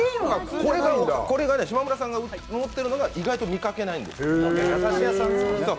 島村さんが持っているのが意外と見かけないんですよ。